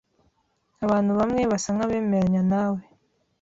Abantu bamwe basa nkabemeranya nawe.